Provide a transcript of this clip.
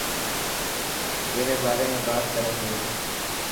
ڪيري باري ۾ بات ڪري پيو.